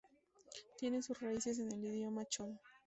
Tiene sus raíces en el idioma chol.